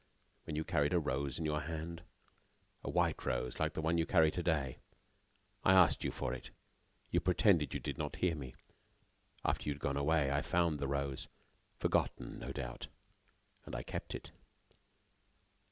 Then, you carried a rose in your hand, a white rose like the one you carry to day. I asked you for it. You pretended you did not hear me. After you had gone away, I found the rose forgotten, no doubt and I kept it."